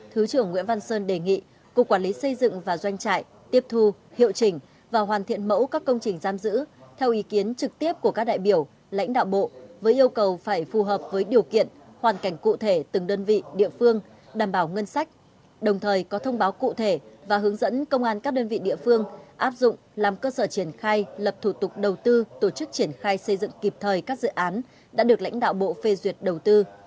thứ trưởng nguyễn văn sơn đề nghị cục quản lý xây dựng và doanh trại tiếp thu hiệu chỉnh và hoàn thiện mẫu các công trình giam giữ theo ý kiến trực tiếp của các đại biểu lãnh đạo bộ với yêu cầu phải phù hợp với điều kiện hoàn cảnh cụ thể từng đơn vị địa phương đảm bảo ngân sách đồng thời có thông báo cụ thể và hướng dẫn công an các đơn vị địa phương áp dụng làm cơ sở triển khai lập thủ tục đầu tư tổ chức triển khai xây dựng kịp thời các dự án đã được lãnh đạo bộ phê duyệt đầu tư